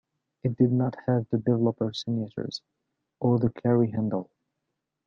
It did not have the developer signatures or the carry handle.